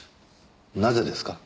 なぜですか？